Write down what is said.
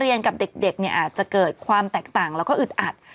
กับเด็กเนี่ยอาจจะเกิดความแตกต่างแล้วก็อึดอัด